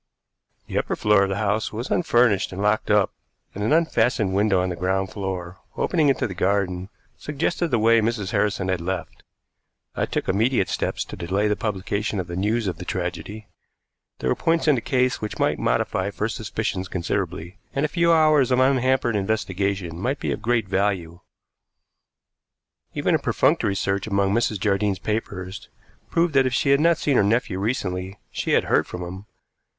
The upper floor of the house was unfurnished and locked up, and an unfastened window on the ground floor, opening into the garden, suggested the way Mrs. Harrison had left. I took immediate steps to delay the publication of the news of the tragedy. There were points in the case which might modify first suspicions considerably, and a few hours of unhampered investigation might be of great value. Even a perfunctory search among Mrs. Jardine's papers proved that if she had not seen her nephew recently she had heard from him.